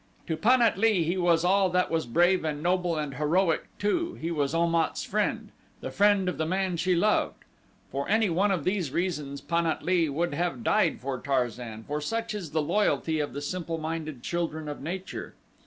To Pan at lee he was all that was brave and noble and heroic and, too, he was Om at's friend the friend of the man she loved. For any one of these reasons Pan at lee would have died for Tarzan, for such is the loyalty of the simple minded children of nature.